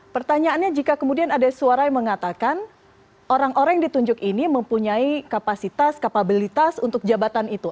pertanyaannya jika kemudian ada suara yang mengatakan orang orang yang ditunjuk ini mempunyai kapasitas kapabilitas untuk jabatan itu